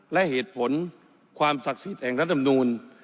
และเหตุผลความศักดิ์สิทธิ์แห่งรัฐธรรมนูล